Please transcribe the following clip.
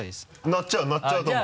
鳴っちゃう鳴っちゃうと思う。